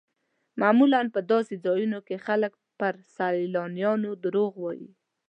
معمولا په داسې ځایونو کې خلک پر سیلانیانو دروغ وایي.